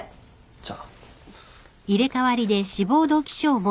じゃあ。